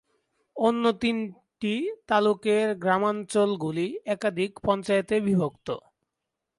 অন্য তিনটি তালুকের গ্রামাঞ্চল গুলি একাধিক পঞ্চায়েতে বিভক্ত।